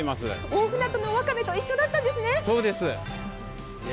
大船渡のわかめと一緒だったんですね。